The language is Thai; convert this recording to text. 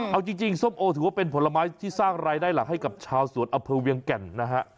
เอาจริงส้มโอถือว่าเป็นผลไม้ที่สร้างรายได้หลักให้กับชาวสวนอเภเวียงแก่นนะฮะ